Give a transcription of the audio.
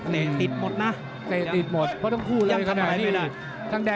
ย้ำติดหมดนะ